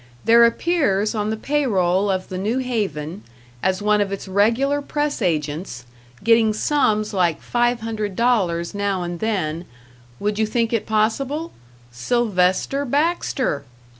There appears on the pay roll of the New Haven, as one of its regular press agents, getting sums like $500 now and then would you think it possible? Sylvester Baxter!